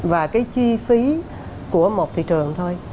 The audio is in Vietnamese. và cái chi phí của một thị trường thôi